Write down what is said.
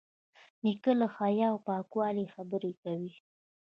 نیکه له حیا او پاکوالي خبرې کوي.